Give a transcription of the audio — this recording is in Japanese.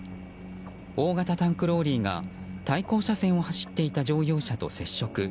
大型タンクローリーが対向車線を走っていた乗用車と接触。